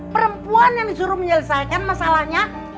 perempuan yang disuruh menyelesaikan masalahnya